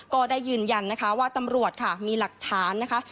ก็ได้ยืนยันนะคะว่าตำรวจค่ะมีหลักฐานนะคะ